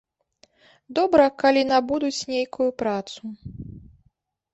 Добра, калі набудуць нейкую працу.